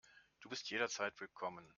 Du bist jederzeit willkommen.